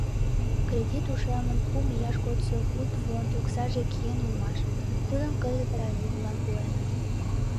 — Кредит ушемын кум ияш годсо культфонд оксаже киен улмаш, тудым кызыт радиолан пуэныт.